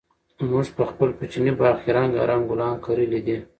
موږ په خپل کوچني باغ کې رنګارنګ ګلان کرلي دي.